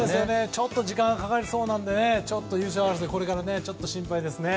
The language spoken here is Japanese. ちょっと時間がかかりそうなので優勝争い、これから心配ですね。